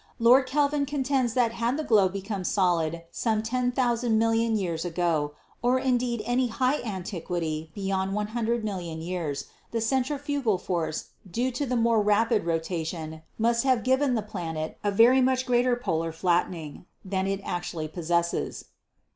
Lord Kelvin contends that had the globe become solid some 10,000 million years ago, or indeed any high antiquity beyond ioo million years, the centrifugal force due to the more rapid rotation must have given the planet a very much greater polar flattening than it actually possesses.